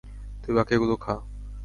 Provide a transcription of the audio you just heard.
তুই বাকিগুলো খা।